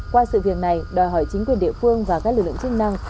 qua sự việc này đòi hỏi chính quyền địa phương và các lực lượng chức năng